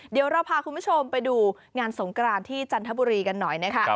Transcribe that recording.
เดี๋ยวเราพาคุณผู้ชมไปดูงานสงกรานที่จันทบุรีกันหน่อยนะคะ